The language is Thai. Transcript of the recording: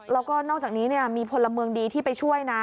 แล้วก็นอกจากนี้มีพลเมืองดีที่ไปช่วยนะ